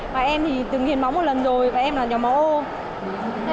và em thì từng hiến máu một lần rồi và em là nhóm máu ô